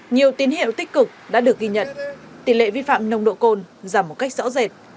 nhiều tín hiệu tích cực đã được ghi nhận tỷ lệ vi phạm nồng độ cồn giảm một cách rõ rệt